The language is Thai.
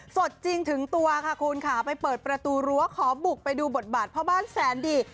สดจริงถึงตัวค่ะคุณค่ะไปเปิดประตูรั้วขอบุกไปดูบทบาทพ่อบ้านแสนดี